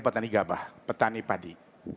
petani gabah petani padi